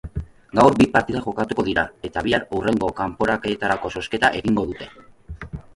Gaur bi partida jokatuko dira, eta bihar hurrengo kanporaketarako zozketa egingo dute.